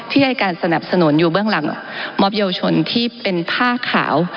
ให้การสนับสนุนอยู่เบื้องหลังมอบเยาวชนที่เป็นผ้าขาว